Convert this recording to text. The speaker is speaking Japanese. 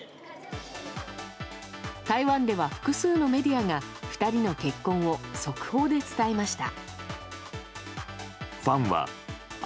台湾では複数のメディアが２人の結婚を速報で伝えました。